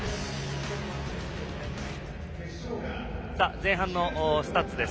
前半のスタッツです。